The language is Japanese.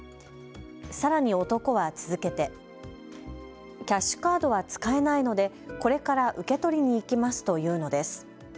さらに男は続けてキャッシュカードは使えないのでこれから受け取りに行きますと言うのです。